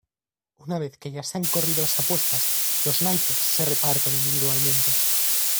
Una vez que ya se han corrido las apuestas, los naipes se reparten individualmente.